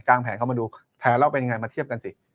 งแผนเข้ามาดูแผนเราเป็นยังไงมาเทียบกันสิ